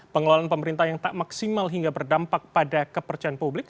pengelolaan pemerintah yang tak maksimal hingga berdampak pada kepercayaan publik